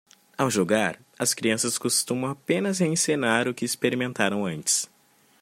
Ao jogar?, as crianças costumam apenas reencenar o que experimentaram antes.